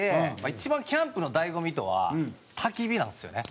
一番キャンプの醍醐味とは焚き火なんですよね。